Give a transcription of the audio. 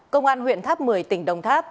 công an huyện tháp một mươi tỉnh đồng tháp